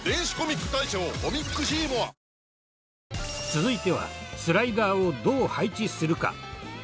続いてはスライダーをどう配置するか。